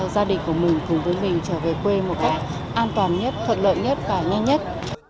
gia đình của mình cùng với mình trở về quê một cách an toàn nhất thuận lợi nhất và nhanh nhất